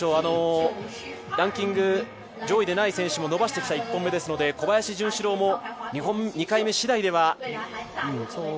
ランキング、上位でない選手も伸ばしてきた１本目ですので小林潤志郎も２回目次第では。